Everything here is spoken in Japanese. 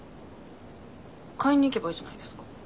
買いに行けばいいじゃないですか。